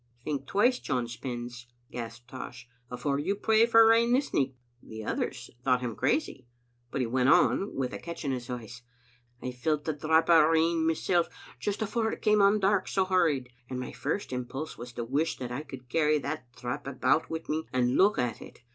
"Think twice, John Spens," gasped Tosh, "afore you pray for rain this nicht. " The others thought him crazy, but he went on, with a catch in his voice :" I felt a drap o' rain mysel', just afore it came on dark so hurried, and my first impulse was to wish that I could carry that drap about wi' me and look at it.